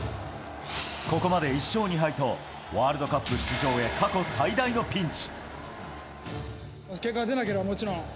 ここまで１勝２敗とワールドカップ出場へ過去最大のピンチ。